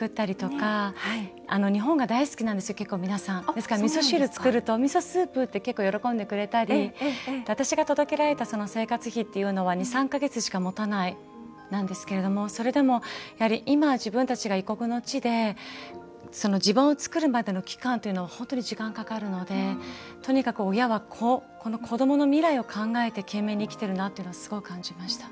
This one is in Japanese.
ですからみそ汁作るとミソスープ！って結構喜んでくれたり私が届けられた生活費というのは２３か月しかもたないんですけれどもそれでも今自分たちが異国の地で地盤を作るまでの期間というのは本当に時間がかかるのでとにかく親は子どもの未来を考えて懸命に生きているなというのはすごい感じました。